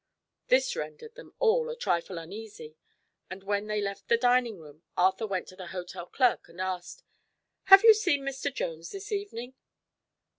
This rendered them all a trifle uneasy and when they left the dining room Arthur went to the hotel clerk and asked: "Have you seen Mr. Jones this evening?"